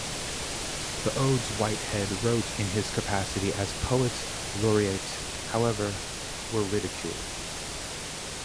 The odes Whitehead wrote in his capacity as Poet Laureate, however, were ridiculed.